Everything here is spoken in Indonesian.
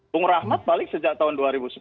bung rahmat balik sejak tahun dua ribu sebelas